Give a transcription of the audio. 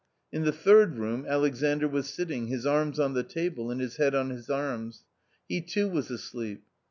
In the third room Alex andr was sitting, his arms on the table and his head on his arms ; he too was asleep.